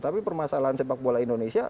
tapi permasalahan sepak bola indonesia